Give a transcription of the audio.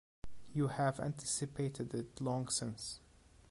You have anticipated it long since.